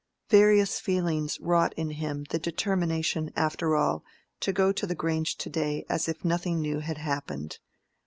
Various feelings wrought in him the determination after all to go to the Grange to day as if nothing new had happened.